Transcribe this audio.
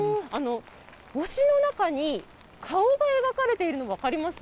星の中に顔が描かれているの分かります？